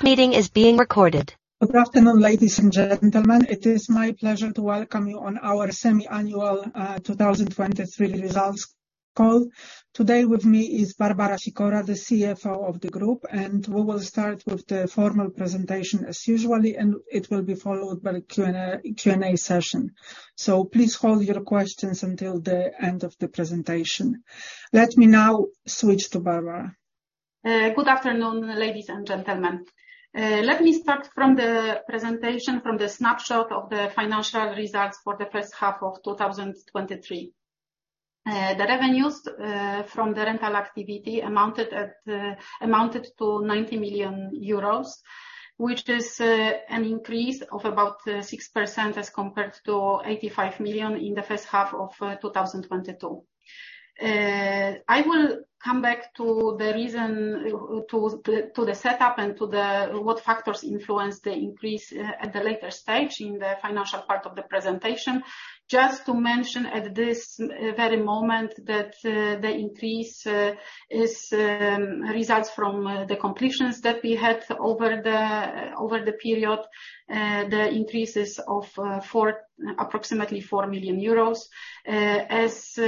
Good afternoon, ladies and gentlemen. It is my pleasure to welcome you on our semi-annual 2023 results call. Today with me is Barbara Sikora, the CFO of the group, and we will start with the formal presentation as usual, and it will be followed by a Q&A, Q&A session. So please hold your questions until the end of the presentation. Let me now switch to Barbara. Good afternoon, ladies and gentlemen. Let me start from the presentation from the snapshot of the financial results for the first half of 2023. The revenues from the rental activity amounted to 90 million euros, which is an increase of about 6% as compared to 85 million in the first half of 2022. I will come back to the reason to the setup and to the-- what factors influence the increase at the later stage in the financial part of the presentation. Just to mention at this very moment that the increase is results from the completions that we had over the period. The increases of approximately 4 million euros. As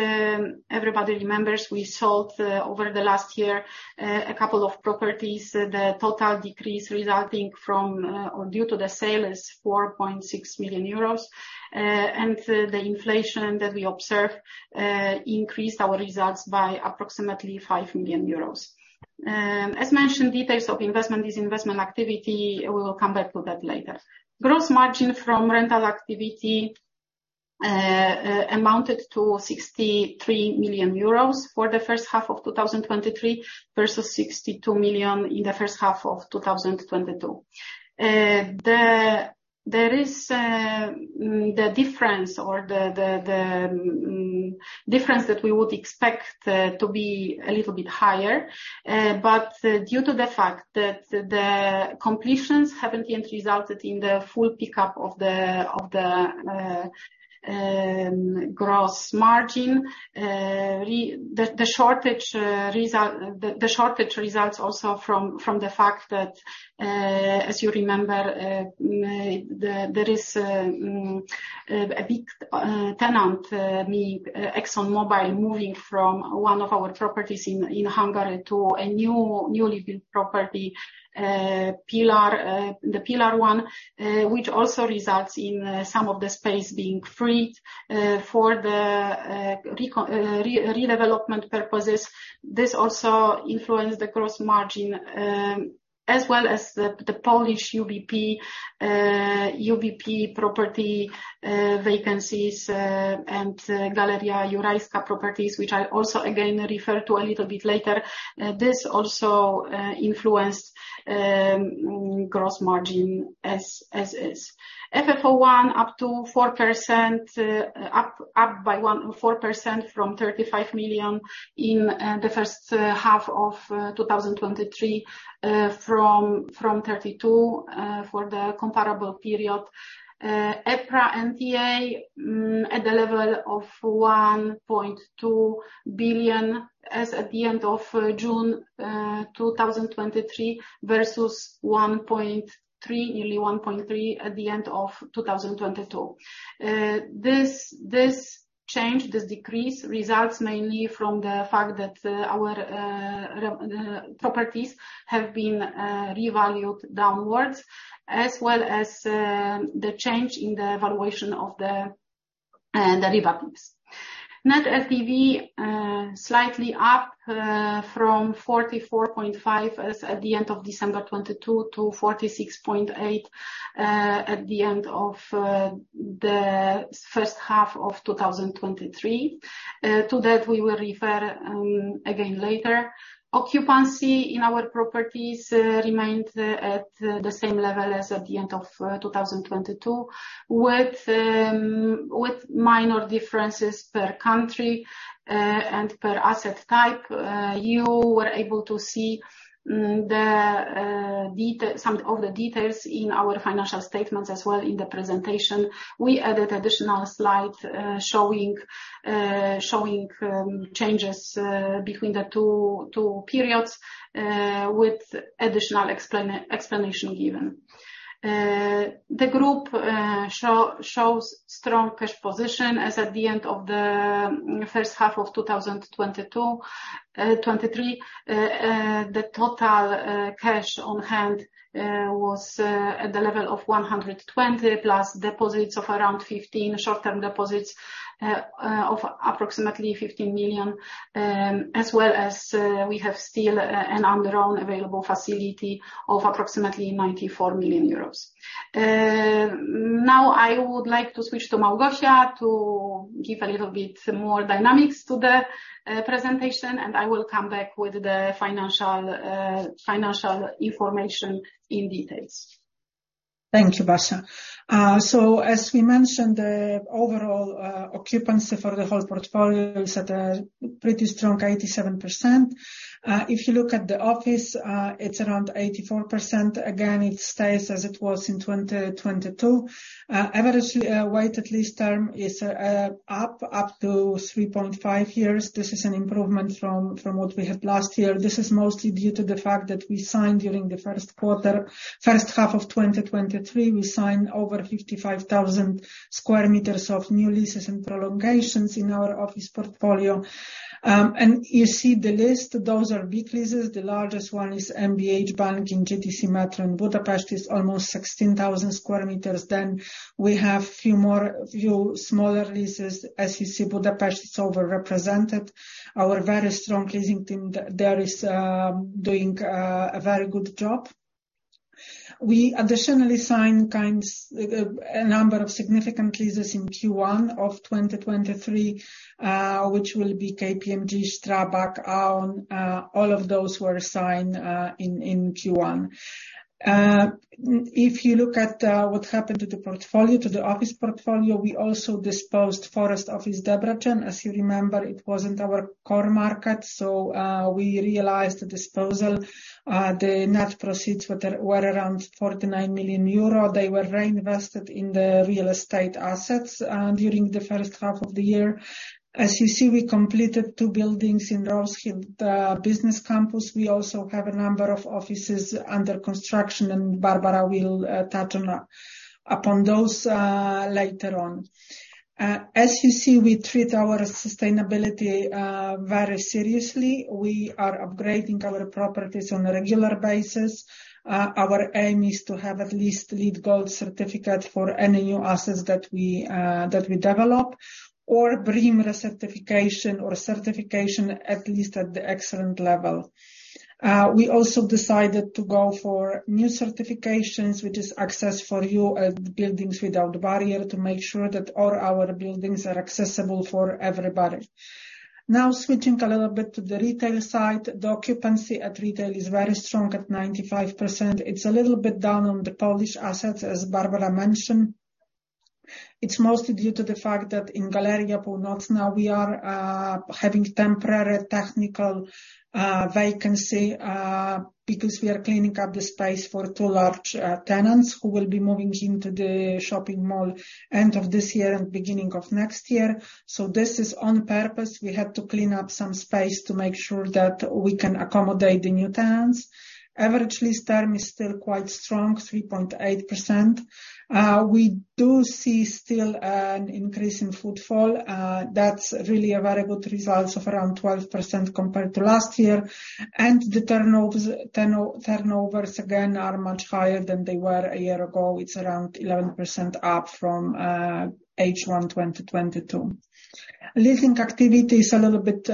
everybody remembers, we sold over the last year a couple of properties. The total decrease resulting from or due to the sale is 4.6 million euros, and the inflation that we observed increased our results by approximately 5 million euros. As mentioned, details of investment, this investment activity, we will come back to that later. Gross margin from rental activity amounted to 63 million euros for the first half of 2023, versus 62 million in the first half of 2022. The difference that we would expect to be a little bit higher, but due to the fact that the completions haven't yet resulted in the full pickup of the gross margin, the shortage. The shortage results also from the fact that, as you remember, there is a big tenant, namely ExxonMobil, moving from one of our properties in Hungary to a newly built property, Pillar, the Pillar 1, which also results in some of the space being freed for the redevelopment purposes. This also influenced the gross margin, as well as the Polish UBP property vacancies and Galeria Jurajska properties, which I also again refer to a little bit later. This also influenced gross margin as is. FFO I up 4%, up by 1.4% from 35 million in the first half of 2023 from 32 million for the comparable period. EPRA NTA at the level of 1.2 billion as at the end of June 2023, versus nearly 1.3 billion at the end of 2022. This change, this decrease, results mainly from the fact that our properties have been revalued downwards, as well as the change in the valuation of the REIT values. Net LTV slightly up from 44.5 as at the end of December 2022 to 46.8 at the end of the first half of 2023. To that we will refer again later. Occupancy in our properties remained at the same level as at the end of 2022, with minor differences per country and per asset type. You were able to see the detail, some of the details in our financial statements as well in the presentation. We added additional slide showing changes between the two periods with additional explanation given. The group shows strong cash position as at the end of the first half of 2023. The total cash on hand was at the level of 120 million plus deposits of around 15, short-term deposits of approximately 15 million, as well as we have still an undrawn available facility of approximately 94 million euros. Now, I would like to switch to Małgorzata to give a little bit more dynamics to the presentation, and I will come back with the financial information in details. Thank you, Barbara. So as we mentioned, the overall occupancy for the whole portfolio is at a pretty strong 87%. If you look at the office, it's around 84%. Again, it stays as it was in 2022. Average weighted lease term is up to 3.5 years. This is an improvement from what we had last year. This is mostly due to the fact that we signed during the first quarter, first half of 2023, we signed over 55,000 sq m of new leases and prolongations in our office portfolio. And you see the list, those are big leases. The largest one is MBH Bank in GTC Metro in Budapest, is almost 16,000 square meters. Then we have few more, few smaller leases. As you see, Budapest is overrepresented. Our very strong leasing team there is doing a very good job. We additionally signed a number of significant leases in Q1 of 2023, which will be KPMG, Strabag, Aon, all of those were signed in Q1. If you look at what happened to the portfolio, to the office portfolio, we also disposed Forest Offices Debrecen. As you remember, it wasn't our core market, so we realized the disposal. The net proceeds were around 49 million euro. They were reinvested in the real estate assets during the first half of the year. As you see, we completed two buildings in Rose Hill, the business campus. We also have a number of offices under construction, and Barbara will touch on upon those later on. As you see, we treat our sustainability very seriously. We are upgrading our properties on a regular basis. Our aim is to have at least LEED Gold certificate for any new assets that we develop, or BREEAM recertification or certification, at least at the excellent level. We also decided to go for new certifications, which is Access4You, Buildings without Barriers, to make sure that all our buildings are accessible for everybody. Now, switching a little bit to the retail side. The occupancy at retail is very strong, at 95%. It's a little bit down on the Polish assets, as Barbara mentioned. It's mostly due to the fact that in Galeria Północna, we are having temporary technical vacancy because we are cleaning up the space for two large tenants who will be moving into the shopping mall end of this year and beginning of next year. So this is on purpose. We had to clean up some space to make sure that we can accommodate the new tenants. Average lease term is still quite strong, 3.8%. We do see still an increase in footfall. That's really a very good results of around 12% compared to last year, and the turnovers, turnovers again, are much higher than they were a year ago. It's around 11% up from H1 2022. Leasing activity is a little bit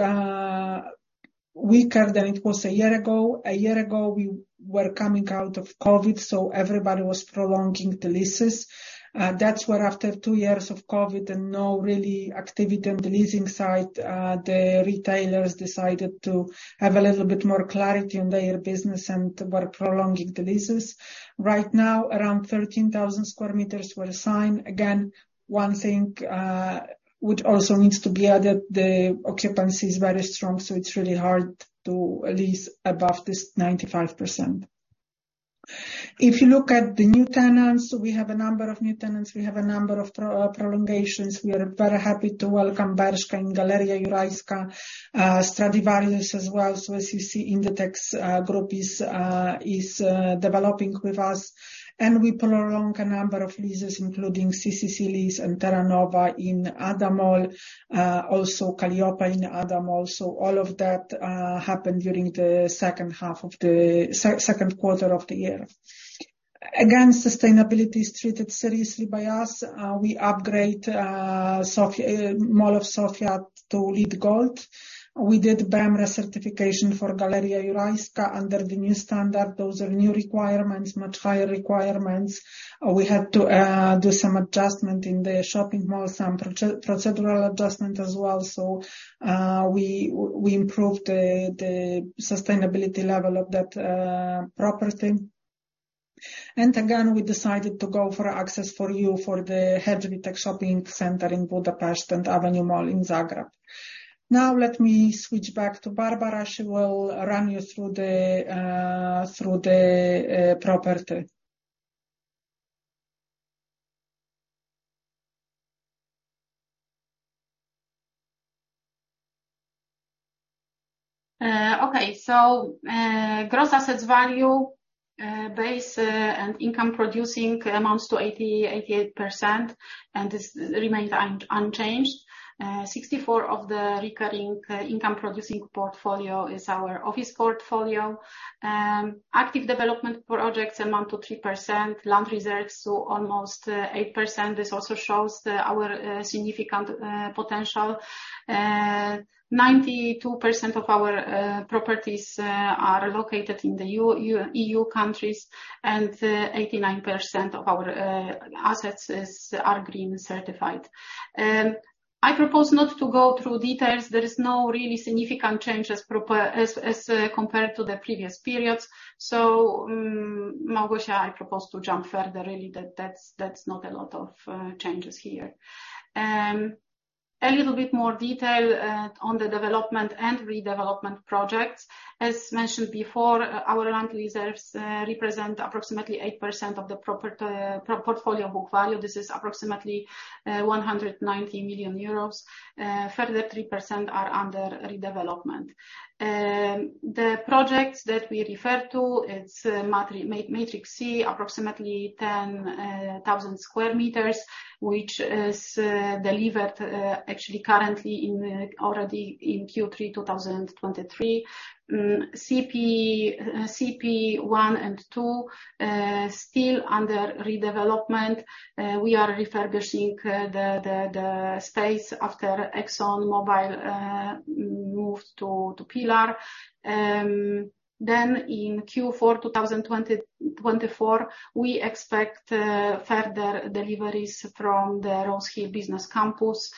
weaker than it was a year ago. A year ago, we were coming out of COVID, so everybody was prolonging the leases. That's where, after two years of COVID and no real activity on the leasing side, the retailers decided to have a little bit more clarity on their business and were prolonging the leases. Right now, around 13,000 sq m were signed. Again, one thing, which also needs to be added, the occupancy is very strong, so it's really hard to lease above this 95%. If you look at the new tenants, we have a number of new tenants. We have a number of prolongations. We are very happy to welcome Bershka in Galeria Jurajska, Stradivarius as well. As you see, Inditex Group is developing with us, and we prolong a number of leases, including CCC lease and Terranova in Avenue Mall, also Calliope in Avenue Mall. So all of that happened during the second quarter of the year. Again, sustainability is treated seriously by us. We upgrade Mall of Sofia to LEED Gold. We did BREEAM certification for Galeria Jurajska under the new standard. Those are new requirements, much higher requirements. We had to do some adjustment in the shopping mall, some procedural adjustment as well. So, we improved the sustainability level of that property. And again, we decided to go for Access for You for the Hegyvidék Shopping Center in Budapest and Avenue Mall in Zagreb. Now, let me switch back to Barbara. She will run you through the property. Okay, so, gross assets value base and income producing amounts to 88%, and this remains unchanged. 64 of the recurring income-producing portfolio is our office portfolio. Active development projects amount to 3%, land reserves to almost 8%. This also shows our significant potential. 92% percent of our properties are located in the EU countries, and 89% of our assets is, are green certified. I propose not to go through details. There is no really significant change as compared to the previous periods. So, Małgosia, I propose to jump further. Really, that's not a lot of changes here. A little bit more detail on the development and redevelopment projects. As mentioned before, our land reserves represent approximately 8% of the portfolio book value. This is approximately 190 million euros. Further 3% are under redevelopment. The projects that we refer to, it's Matrix C, approximately 10,000 sq m, which is delivered actually currently already in Q3 2023. CP 1 and 2 still under redevelopment. We are refurbishing the space after ExxonMobil moved to Pillar. Then in Q4 2024, we expect further deliveries from the Rose Hill Business Campus.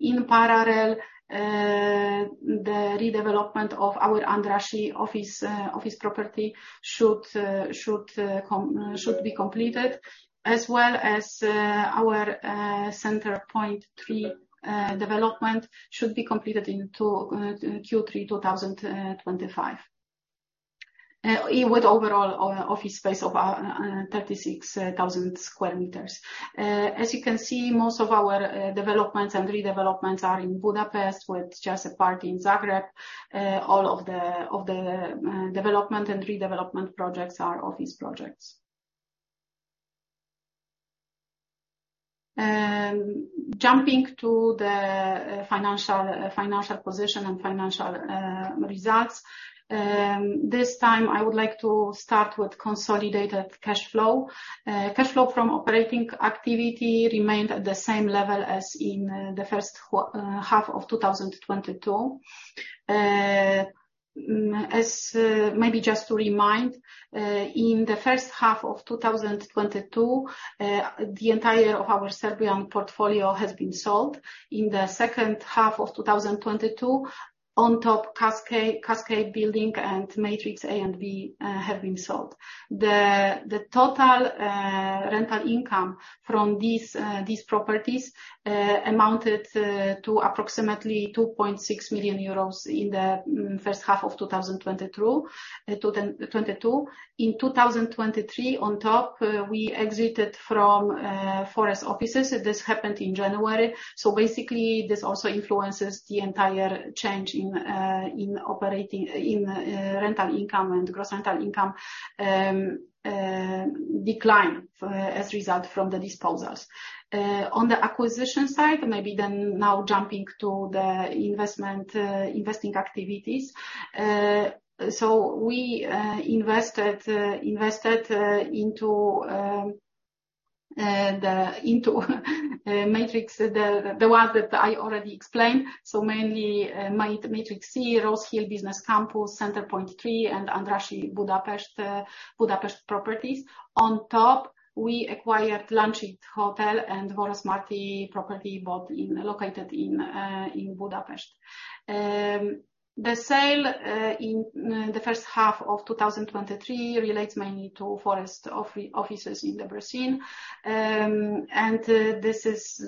In parallel, the redevelopment of our Andrássy office property should be completed, as well as our Center Point 3 development should be completed in Q3 2025. With overall office space of 36,000 sq m. As you can see, most of our developments and redevelopments are in Budapest, with just a part in Zagreb. All of the development and redevelopment projects are office projects. Jumping to the financial position and financial results. This time I would like to start with consolidated cash flow. Cash flow from operating activity remained at the same level as in the first half of 2022. Maybe just to remind, in the first half of 2022, the entire of our Serbian portfolio has been sold. In the second half of 2022, on top, Cascade, Cascade Building and Matrix A and B have been sold. The total rental income from these properties amounted to approximately 2.6 million euros in the first half of 2022. In 2023, on top, we exited from Forest Offices. This happened in January. So basically, this also influences the entire change in operating rental income and gross rental income decline as a result from the disposals. On the acquisition side, maybe then now jumping to the investment investing activities. So we invested into the Matrix, the one that I already explained, so mainly Matrix C, Rose Hill Business Campus, Center Point 3, and Andrássy Budapest properties. On top, we acquired Lánchíd Hotel and Vörösmarty property, both located in Budapest. The sale in the first half of 2023 relates mainly to Forest Offices in Debrecen. And this is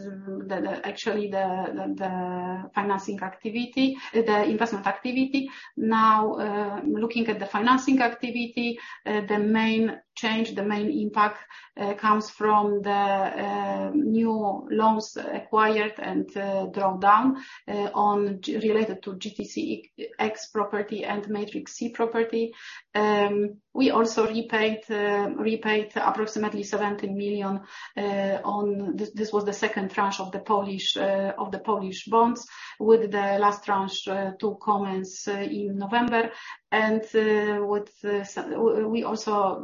actually the financing activity, the investment activity. Now, looking at the financing activity, the main change, the main impact comes from the new loans acquired and drawn down on related to GTC X property and Matrix C property. We also repaid approximately 17 million on... This was the second tranche of the Polish bonds, with the last tranche to commence in November. We also,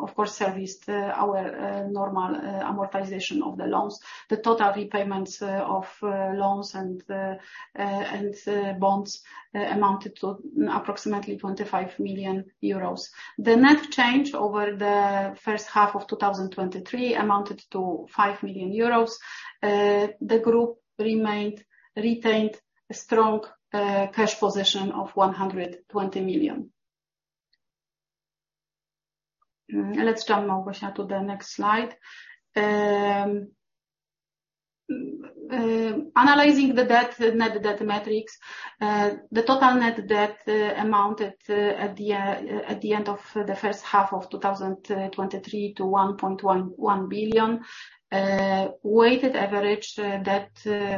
of course, serviced our normal amortization of the loans. The total repayments of loans and bonds amounted to approximately 25 million euros. The net change over the first half of 2023 amounted to 5 million euros. The group remained, retained a strong cash position of 120 million. Let's jump, Małgosia, to the next slide. Analyzing the debt, the net debt metrics, the total net debt amounted at the end of the first half of 2023 to 1.11 billion. Weighted average debt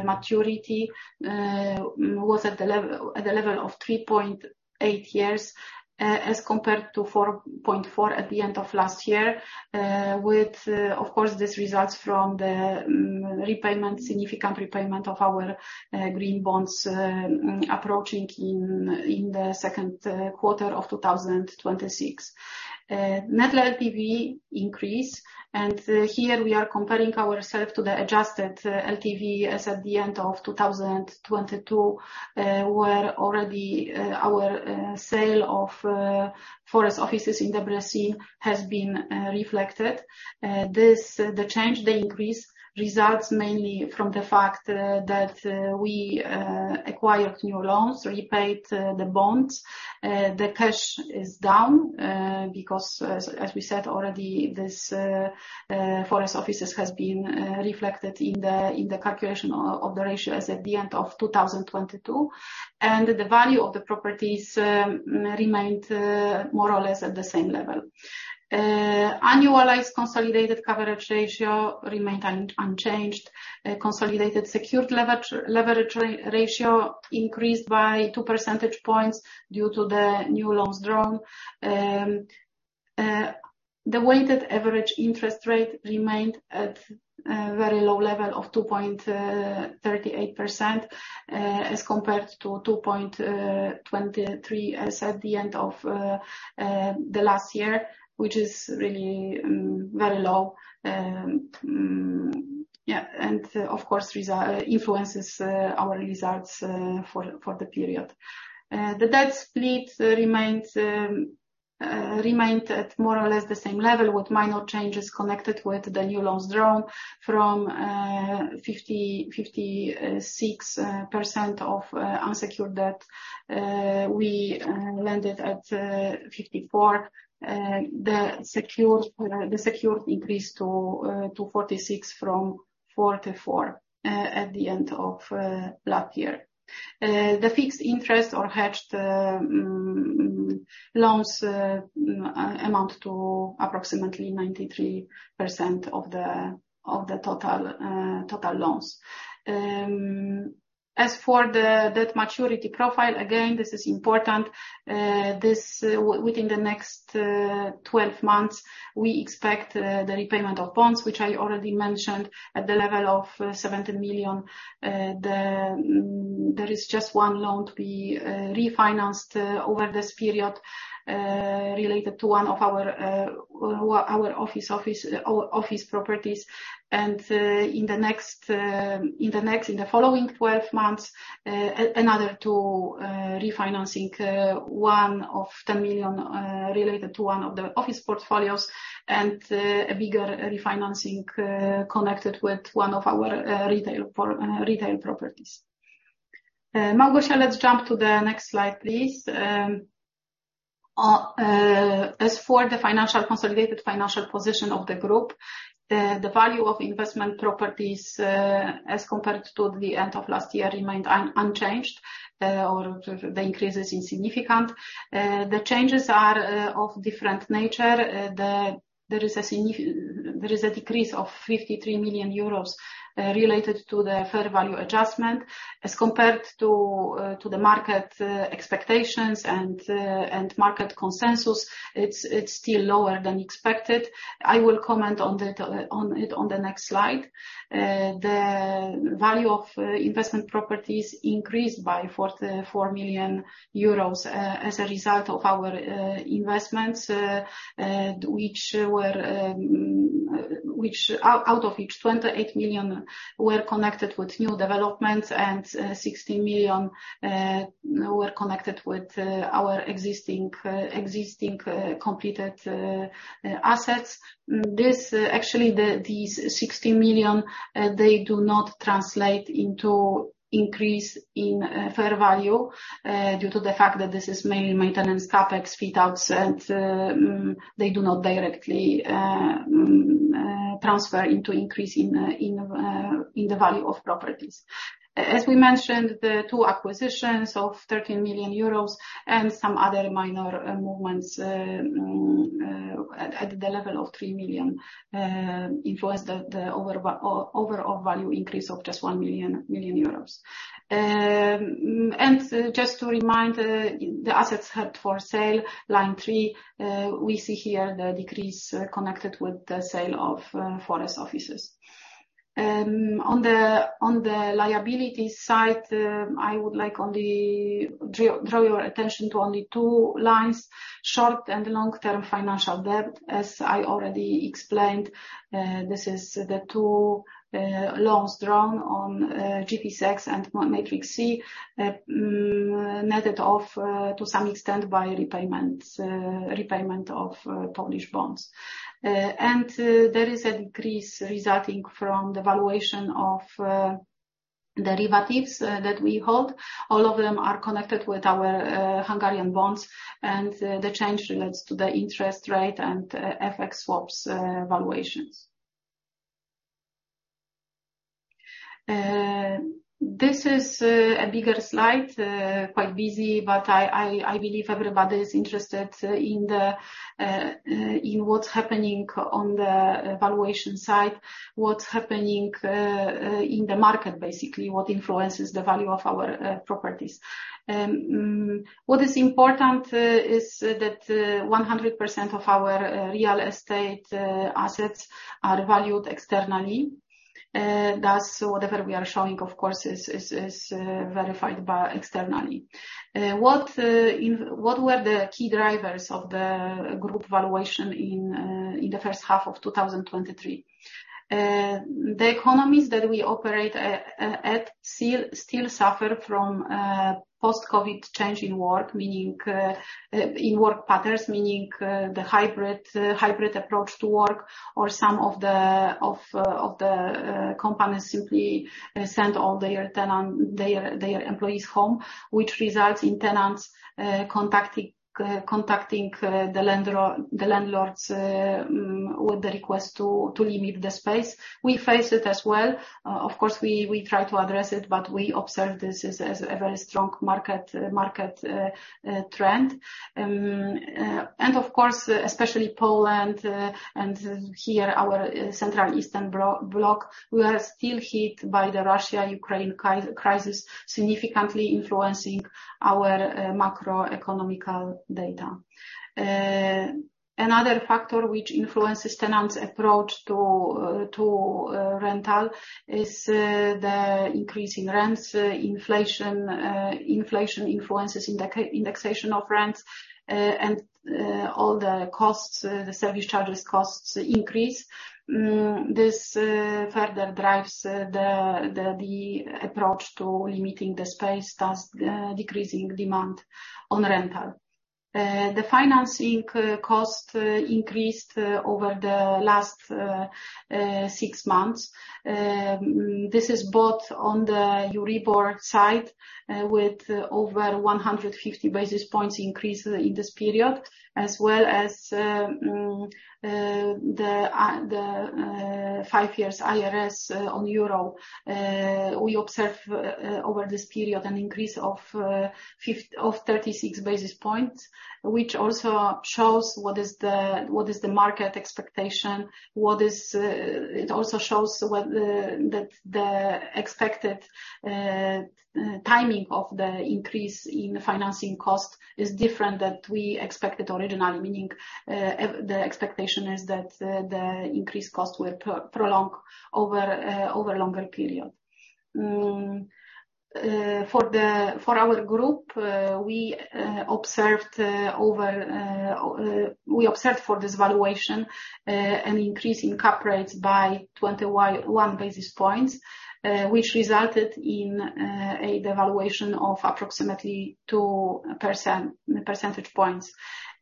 maturity was at the level of 3.8 years, as compared to 4.4 years at the end of last year. With, of course, this results from the significant repayment of our green bonds approaching in the second quarter of 2026. Net LTV increase, and here we are comparing ourselves to the Adjusted LTV as at the end of 2022, where already our sale of Forest Offices in the Debrecen has been reflected. This, the change, the increase results mainly from the fact that we acquired new loans, repaid the bonds. The cash is down, because as we said already, this Forest Offices has been reflected in the calculation of the ratio as at the end of 2022. The value of the properties remained more or less at the same level. Annualized consolidated coverage ratio remained unchanged. Consolidated secured leverage ratio increased by 2 percentage points due to the new loans drawn. The weighted average interest rate remained at very low level of 2.38%, as compared to 2.23% as at the end of the last year, which is really very low. Yeah, and of course, influences our results for the period. The debt split remained at more or less the same level, with minor changes connected with the new loans drawn from 56% of unsecured debt. We landed at 54. The secured increased to 46 from 44 at the end of last year. The fixed interest or hedged loans amount to approximately 93% of the total loans. As for the debt maturity profile, again, this is important. Within the next 12 months, we expect the repayment of bonds, which I already mentioned, at the level of 17 million. There is just one loan to be refinanced over this period, related to one of our office properties. And in the following 12 months, another two refinancing, one of 10 million, related to one of the office portfolios, and a bigger refinancing connected with one of our retail properties. Małgorzata, let's jump to the next slide, please. As for the consolidated financial position of the group, the value of investment properties, as compared to the end of last year, remained unchanged, or the increase is insignificant. The changes are of different nature. There is a decrease of 53 million euros related to the fair value adjustment. As compared to the market expectations and market consensus, it's still lower than expected. I will comment on it on the next slide. The value of investment properties increased by 44 million euros as a result of our investments, which out of which 28 million were connected with new developments and 16 million were connected with our existing completed assets. Actually, these 16 million, they do not translate into increase in fair value due to the fact that this is mainly maintenance CapEx fit outs, and they do not directly transfer into increase in in in the value of properties. As we mentioned, the two acquisitions of 13 million euros and some other minor movements at the level of 3 million influenced the overall value increase of just 1 million euros. Just to remind, the assets held for sale, line three, we see here the decrease connected with the sale of Forest Offices. On the liability side, I would like only draw your attention to only two lines: short and long-term financial debt. As I already explained, this is the two loans drawn on GTC X and Matrix C, netted off to some extent by repayments, repayment of Polish bonds. There is a decrease resulting from the valuation of derivatives that we hold. All of them are connected with our Hungarian bonds, and the change relates to the interest rate and FX swaps valuations. This is a bigger slide, quite busy, but I believe everybody is interested in what's happening on the valuation side, what's happening in the market, basically, what influences the value of our properties. What is important is that 100% of our real estate assets are valued externally. Thus, whatever we are showing, of course, is verified externally. What were the key drivers of the group valuation in the first half of 2023? The economies that we operate at still suffer from post-COVID change in work, meaning in work patterns, meaning the hybrid approach to work, or some of the companies simply send all their employees home, which results in tenants contacting the landlords with the request to leave the space. We face it as well. Of course, we try to address it, but we observe this as a very strong market trend. And of course, especially Poland, and here, our central eastern block, we are still hit by the Russia-Ukraine crisis, significantly influencing our macroeconomic data. Another factor which influences tenants approach to rental is the increasing rents, inflation, inflation influences indexation of rents, and all the costs, the service charges costs increase. This further drives the approach to limiting the space, thus decreasing demand on rental. The financing cost increased over the last six months. This is both on the Euribor side with over 150 basis points increase in this period, as well as the five-year IRS on euro. We observe over this period an increase of 36 basis points, which also shows what is the market expectation. It also shows that the expected timing of the increase in financing cost is different than we expected originally, meaning the expectation is that the increased costs will prolong over a longer period. For our group, we observed for this valuation an increase in cap rates by 21 basis points, which resulted in a devaluation of approximately 2 percentage points.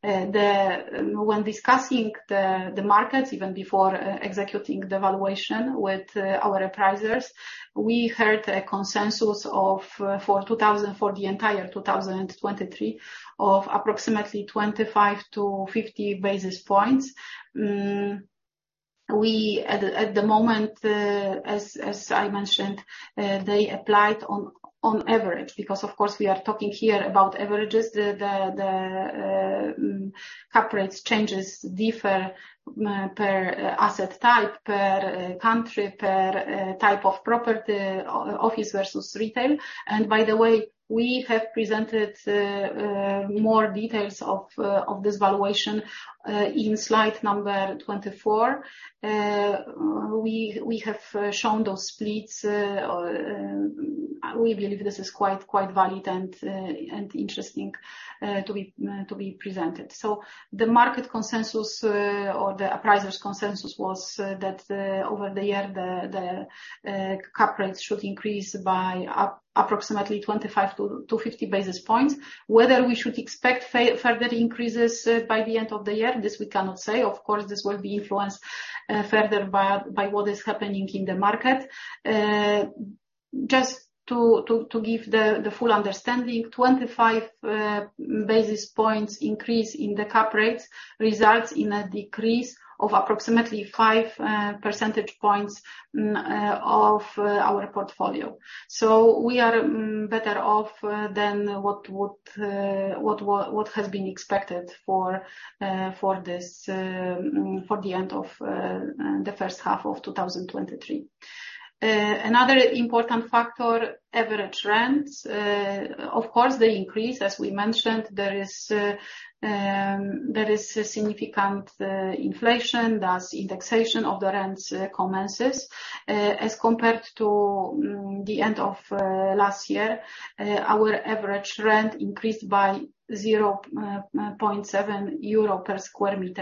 When discussing the markets, even before executing the valuation with our appraisers, we heard a consensus of, for 2023, for the entire 2023, of approximately 25 basis points-50 basis points. We, at the moment, as I mentioned, they applied on average, because of course, we are talking here about averages. The cap rates changes differ per asset type, per country, per type of property, office versus retail. And by the way, we have presented more details of this valuation in slide number 24. We have shown those splits, we believe this is quite valid and interesting to be presented. So the market consensus, or the appraiser's consensus was, that over the year, the cap rates should increase by approximately 25 basis points-50 basis points. Whether we should expect further increases by the end of the year, this we cannot say. Of course, this will be influenced further by what is happening in the market. Just to give the full understanding, 25 basis points increase in the cap rates results in a decrease of approximately 5 percentage points of our portfolio. So we are better off than what has been expected for this for the end of the first half of 2023. Another important factor, average rents. Of course, they increase, as we mentioned, there is a significant inflation, thus indexation of the rents commences. As compared to the end of last year, our average rent increased by 0.7 euro per sq m.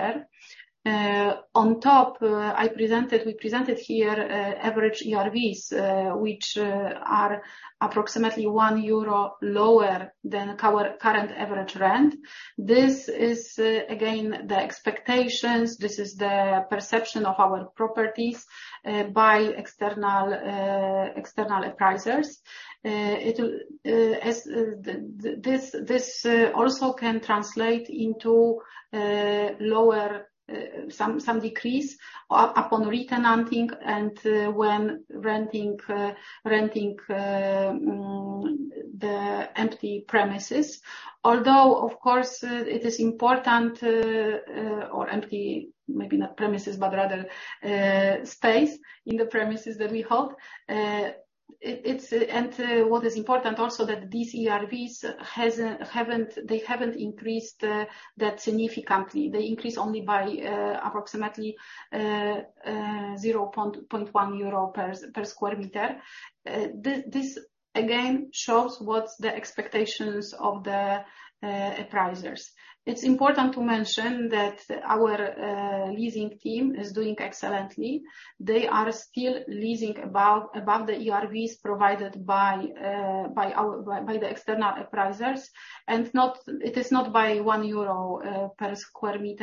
On top, I presented, we presented here average ERVs, which are approximately 1 euro lower than our current average rent. This is again the expectations, this is the perception of our properties by external appraisers. It will, as this also can translate into lower some decrease upon retenanting and when renting the empty premises. Although of course it is important or empty, maybe not premises but rather space in the premises that we hold. It is and what is important also that these ERVs hasn't, haven't, they haven't increased that significantly. They increase only by approximately 0.1 euro per sq m. This again shows what's the expectations of the appraisers. It's important to mention that our leasing team is doing excellently. They are still leasing above the ERVs provided by the external appraisers, and it is not by 1 euro per sq m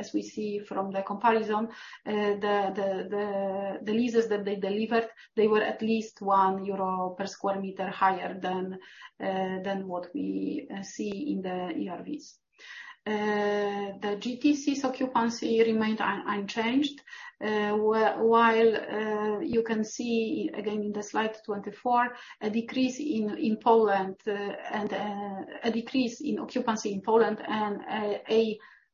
as we see from the comparison. The leases that they delivered, they were at least 1 euro per sq m higher than what we see in the ERVs. The GTC's occupancy remained unchanged, while you can see again in the slide 24, a decrease in Poland and a decrease in occupancy in Poland,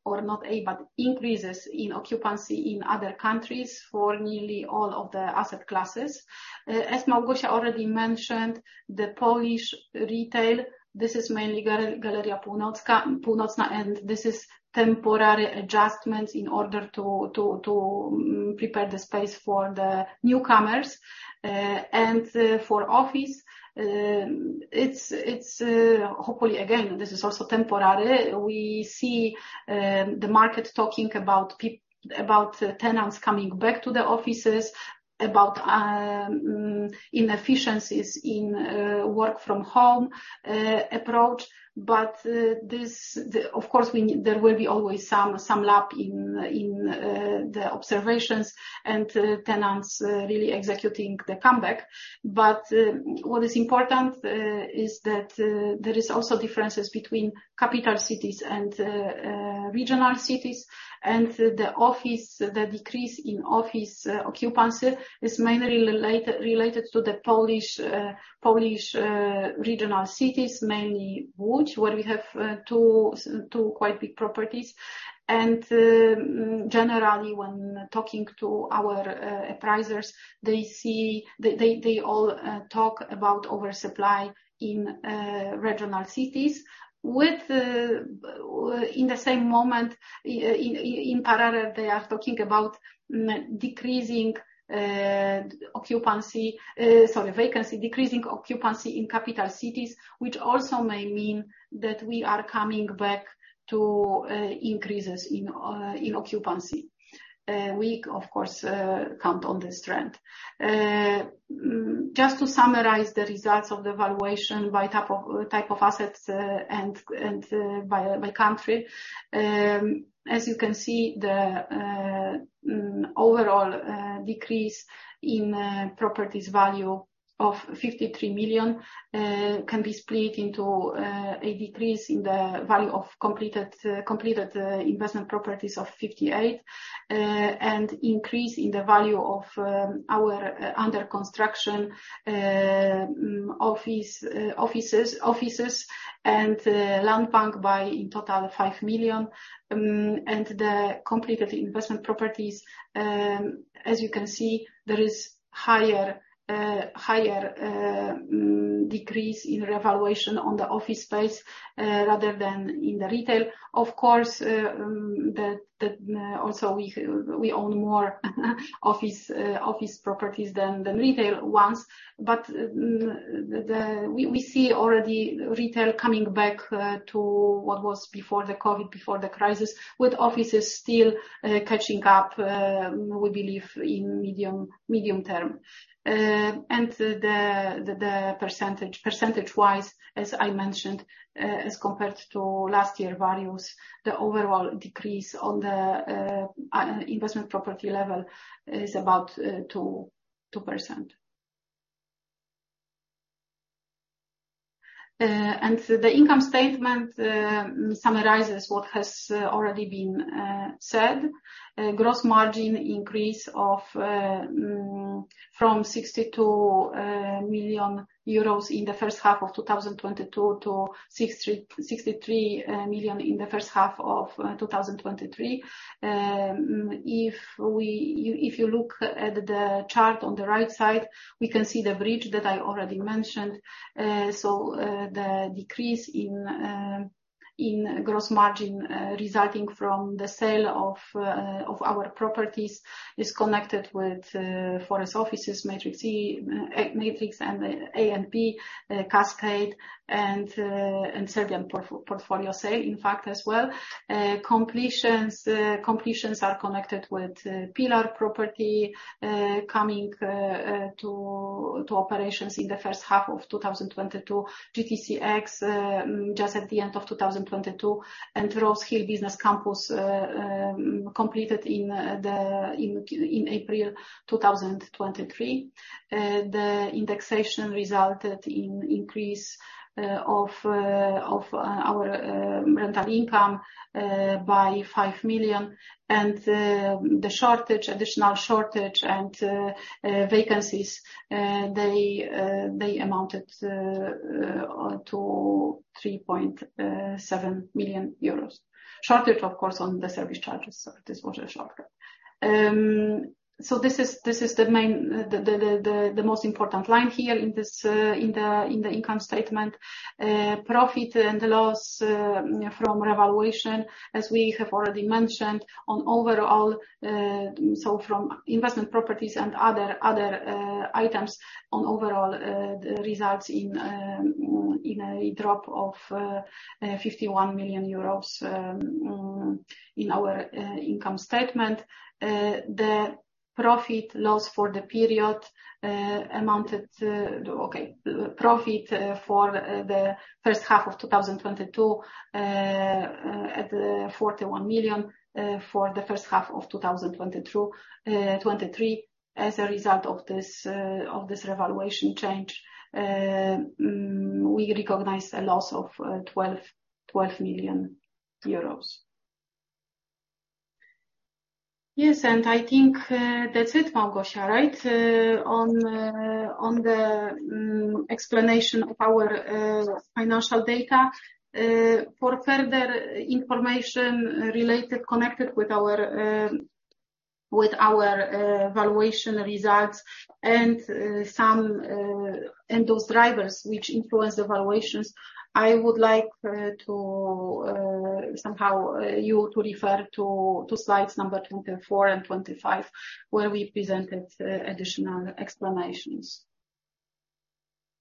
or not a, but increases in occupancy in other countries for nearly all of the asset classes. As Małgorzata already mentioned, the Polish retail, this is mainly Galeria Północna, and this is temporary adjustments in order to prepare the space for the newcomers, and for office, it's hopefully, again, this is also temporary. We see the market talking about tenants coming back to the offices, about inefficiencies in work from home approach. But, of course, there will be always some lag in the observations and tenants really executing the comeback. But what is important is that there is also differences between capital cities and regional cities. And the decrease in office occupancy is mainly related to the Polish regional cities, mainly Łódź, where we have two quite big properties. And generally, when talking to our appraisers, they all talk about oversupply in regional cities. With the in the same moment, in parallel, they are talking about decreasing occupancy, sorry, vacancy, decreasing occupancy in capital cities, which also may mean that we are coming back to increases in in occupancy. We, of course, count on this trend. Just to summarize the results of the valuation by type of assets and by country. As you can see, the overall decrease in properties value of 53 million can be split into a decrease in the value of completed investment properties of 58 and increase in the value of our under construction offices and land bank by, in total, 5 million. And the completed investment properties, as you can see, there is higher decrease in revaluation on the office space, rather than in the retail. Of course, also, we own more office properties than retail ones. But, we see already retail coming back, to what was before the COVID, before the crisis, with offices still catching up, we believe in medium term. And the percentage, percentage-wise, as I mentioned, as compared to last year values, the overall decrease on the investment property level is about 2%. And the income statement summarizes what has already been said. Gross margin increase of from 62 million euros in the first half of 2022 to 63 million in the first half of 2023. If you look at the chart on the right side, we can see the bridge that I already mentioned. So, the decrease in gross margin resulting from the sale of our properties is connected with Forest Offices, Matrix and A&P, Cascade, and Serbian portfolio sale, in fact, as well. Completions are connected with Pillar property coming to operations in the first half of 2022. GTCX, just at the end of 2022, and Rose Hill Business Campus, completed in April 2023. The indexation resulted in increase of our rental income by 5 million. The shortage, additional shortage and vacancies, they amounted to 3.7 million euros. Shortage, of course, on the service charges, so this was a shortage. So this is the main, the most important line here in the income statement. Profit and loss from revaluation, as we have already mentioned, on overall, so from investment properties and other items on overall results in a drop of 51 million euros in our income statement. The profit loss for the period amounted to. Okay, profit for the first half of 2022 at 41 million. For the first half of 2022 2023, as a result of this of this revaluation change, we recognized a loss of 12 million euros. Yes, and I think that's it, Małgorzata, right? On the explanation of our financial data. For further information related, connected with our valuation results and some and those drivers which influence the valuations, I would like to somehow you to refer to slides number 24 and 25, where we presented additional explanations....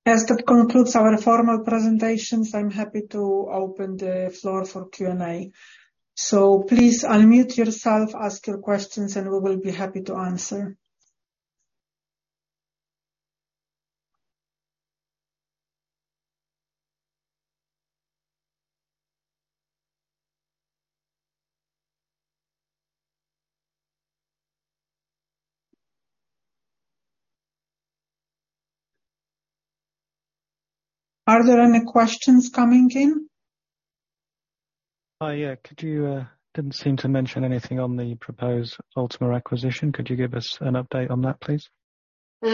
Yes, that concludes our formal presentations. I'm happy to open the floor for Q&A. So please unmute yourself, ask your questions, and we will be happy to answer. Are there any questions coming in? Yeah. Didn't seem to mention anything on the proposed Ultima acquisition. Could you give us an update on that, please?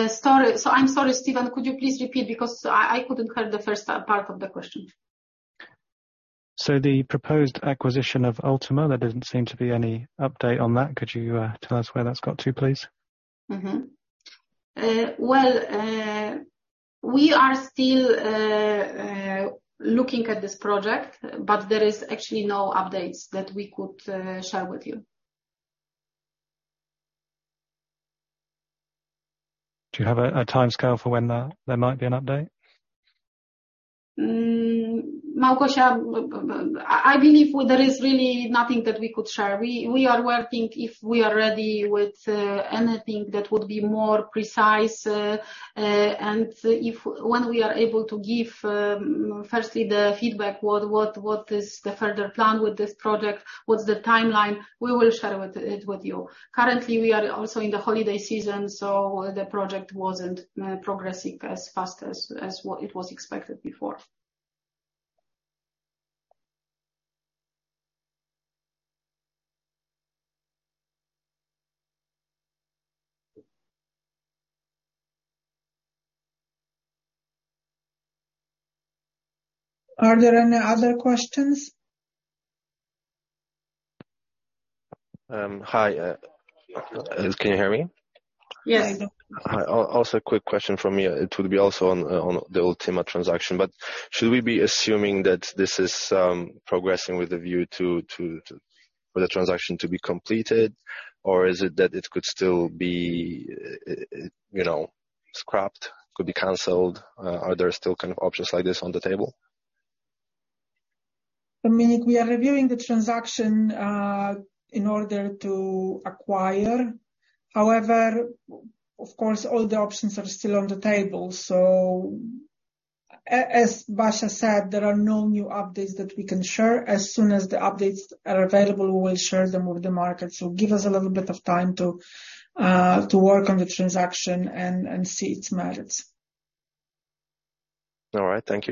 Sorry. So I'm sorry, Stijn, could you please repeat? Because I, I couldn't hear the first part of the question. So the proposed acquisition of Ultima, there doesn't seem to be any update on that. Could you, tell us where that's got to, please? Well, we are still looking at this project, but there is actually no updates that we could share with you. Do you have a timescale for when there might be an update? Małgorzata, I believe there is really nothing that we could share. We are working if we are ready with anything that would be more precise, and if... when we are able to give, firstly, the feedback, what is the further plan with this project, what's the timeline, we will share with it, with you. Currently, we are also in the holiday season, so the project wasn't progressing as fast as what it was expected before. Are there any other questions? Hi, can you hear me? Yes, I do. Hi. Also a quick question from me. It would be also on the Ultima transaction. But should we be assuming that this is progressing with a view to for the transaction to be completed? Or is it that it could still be, you know, scrapped, could be canceled? Are there still kind of options like this on the table? I mean, we are reviewing the transaction in order to acquire. However, of course, all the options are still on the table. So as Basia said, there are no new updates that we can share. As soon as the updates are available, we will share them with the market. So give us a little bit of time to work on the transaction and see its merits. All right. Thank you.